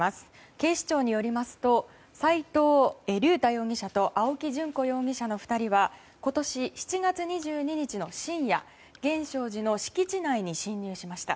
警視庁によりますと齋藤竜太容疑者と青木淳子容疑者の２人は今年７月２２日の深夜源証寺の敷地内に侵入しました。